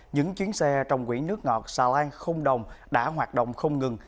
những chuyến xe trong quỹ nước ngọt xà lan không đồng đã hoạt động không ngừng